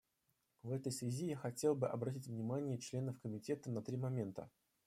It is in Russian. В этой связи я хотел бы обратить внимание членов Комитета на три момента.